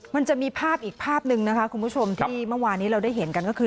มันจะมีภาพอีกภาพหนึ่งนะคะคุณผู้ชมที่เมื่อวานี้เราได้เห็นกันก็คือ